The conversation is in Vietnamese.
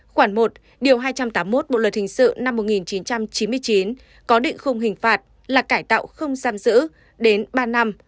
khoảng một điều hai trăm tám mươi một bộ luật hình sự năm một nghìn chín trăm chín mươi chín có định không hình phạt là cải tạo không giam giữ đến ba năm